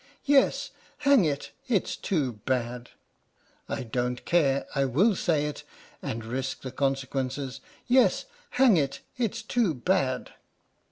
Yes, hang it, it's too bad! (I don't care, I will say it, and risk the consequences) — Yes, hang it, it's too bad!